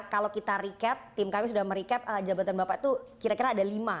kalau kita recap tim kami sudah merecap jabatan bapak itu kira kira ada lima